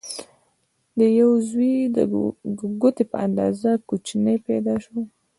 د دیو زوی د ګوتې په اندازه کوچنی پیدا شو.